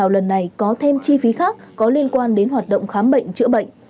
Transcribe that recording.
lần này có thêm chi phí khác có liên quan đến hoạt động khám bệnh chữa bệnh